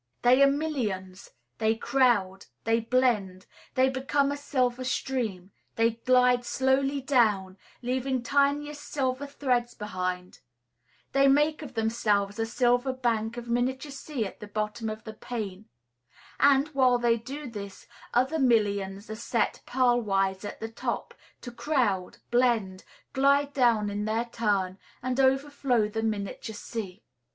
They are millions; they crowd; they blend; they become a silver stream; they glide slowly down, leaving tiniest silver threads behind; they make of themselves a silver bank of miniature sea at the bottom of the pane; and, while they do this, other millions are set pearl wise at the top, to crowd, blend, glide down in their turn, and overflow the miniature sea.